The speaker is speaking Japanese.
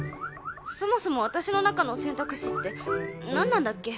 そもそも私の中の選択肢ってなんなんだっけ？